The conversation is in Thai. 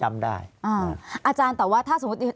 ภารกิจสรรค์ภารกิจสรรค์